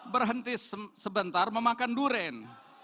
berhenti sebentar memakan durian